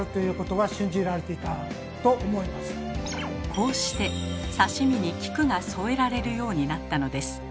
こうして刺身に菊が添えられるようになったのです。